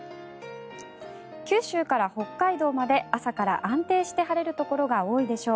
九州から北海道まで朝から安定して晴れるところが多いでしょう。